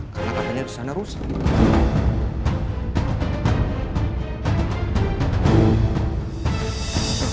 karena katanya disana rusak